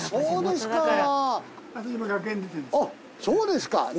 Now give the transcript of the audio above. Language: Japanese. そうですか。